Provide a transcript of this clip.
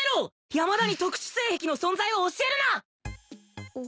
山田に特殊性癖の存在を教えるな！